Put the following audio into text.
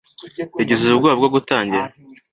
Yagize ubwoba bwo gutangira